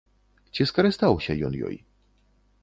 Ці скарыстаўся ён ёй?